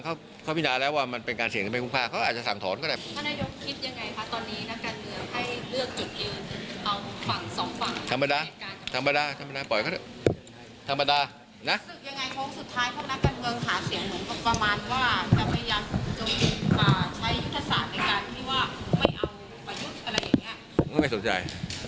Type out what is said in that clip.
ประยุทธ์บ่อยเข้าไม่ต้องเหมือนใจ